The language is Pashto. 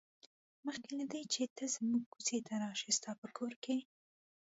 مخکې له دې چې ته زموږ کوڅې ته راشې ستا په کور کې.